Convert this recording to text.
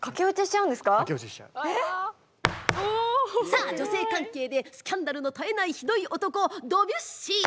さあ女性関係でスキャンダルの絶えないひどい男ドビュッシー。